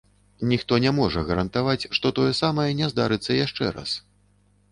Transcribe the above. Ніхто не можа гарантаваць, што тое самае не здарыцца яшчэ раз.